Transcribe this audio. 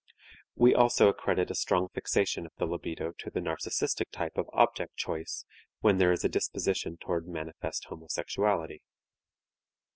We also accredit a strong fixation of the libido to the narcistic type of object choice when there is a disposition toward manifest homosexuality.